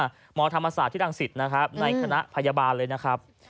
หมอธรรมศาสตร์ที่รังสิตนะครับในคณะพยาบาลเลยนะครับ